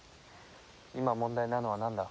今問題なのはなんだ？